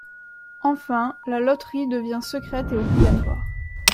Enfin, la loterie devient secrète et obligatoire.